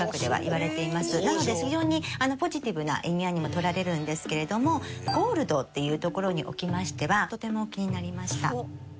なので非常にポジティブな意味合いにも取られるんですけれどもゴールドっていうところにおきましてはとても気になりました。